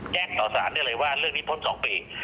ต่อสารได้เลยว่าเรื่องนี้พ้น๒ปี